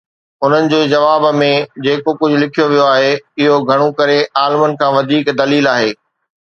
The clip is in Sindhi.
انهن جي جواب ۾ جيڪو ڪجهه لکيو ويو آهي، اهو گهڻو ڪري عالمن کان وڌيڪ دليل آهي.